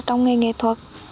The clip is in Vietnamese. trong nghề nghệ thuật